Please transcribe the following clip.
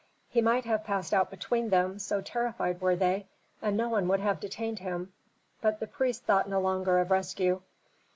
He might have passed out between them, so terrified were they, and no one would have detained him; but the priest thought no longer of rescue.